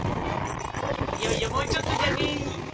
いよいよもうちょっとじゃねえ！